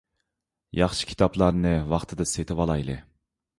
ياخشى كىتابلارنى ۋاقتىدا سېتىۋالايلى.